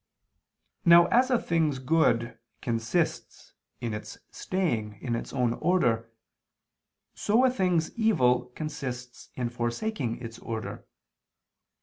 Now as a thing's good consists in its staying in its own order, so a thing's evil consists in forsaking its order.